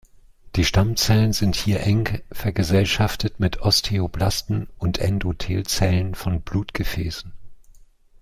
Die Stammzellen sind hier eng vergesellschaftet mit Osteoblasten und Endothel-Zellen von Blutgefäßen.